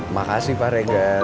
makasih pak regar